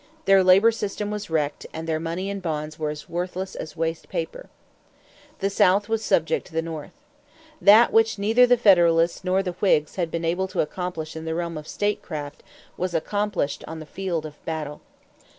Their labor system was wrecked and their money and bonds were as worthless as waste paper. The South was subject to the North. That which neither the Federalists nor the Whigs had been able to accomplish in the realm of statecraft was accomplished on the field of battle.